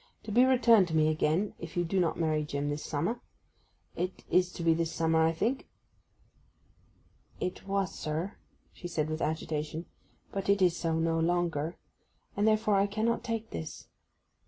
'To be returned to me again if you do not marry Jim this summer—it is to be this summer, I think?' 'It was, sir,' she said with agitation. 'But it is so no longer. And, therefore, I cannot take this.